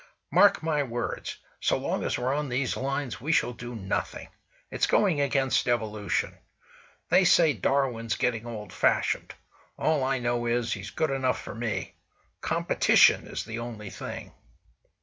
"Mark my words! So long as we're on these lines, we shall do nothing. It's going against evolution. They say Darwin's getting old fashioned; all I know is, he's good enough for me. Competition is the only thing."